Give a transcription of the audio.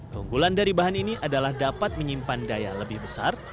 kumpulan dari bahan ini adalah dapat menyimpan daya lebih besar